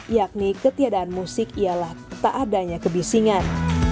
yakni ketiadaan musik ialah tak adanya kebisingan